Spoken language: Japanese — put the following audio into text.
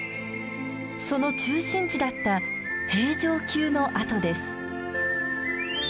その中心地だった平城宮の跡です。